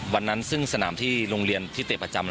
วันนั้นซึ่งสนามที่โรงเรียนที่เตะประจำ